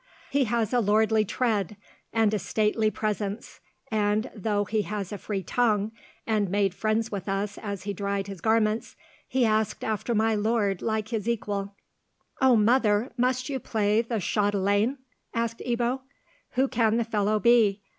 He has a lordly tread, and a stately presence, and, though he has a free tongue, and made friends with us as he dried his garments, he asked after my lord like his equal." "O mother, must you play the chatelaine?" asked Ebbo. "Who can the fellow be?